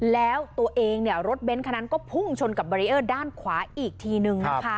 แล้วตัวเองรถเบ้นคันนั้นก็พุ่งชนกับบารีเออร์ด้านขวาอีกทีนึงนะคะ